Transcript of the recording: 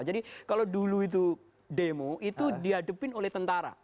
jadi kalau dulu itu demo itu dihadapin oleh tentara